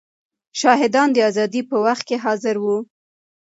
شاهدان د ازادۍ په وخت کې حاضر وو.